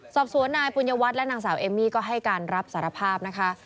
สอบสวนนายปุญญวัตรและนางสาวเอมมี่ก็ให้การรับสารภาพนะคะ